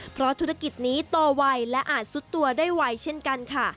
เพราะธุรกิจนี้โตไวและอาจสุดตัวได้ไวเช่นกันค่ะ